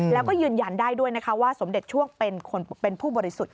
แล้วก็ยืนยันได้ด้วยนะคะว่าสมเด็จช่วงเป็นผู้บริสุทธิ์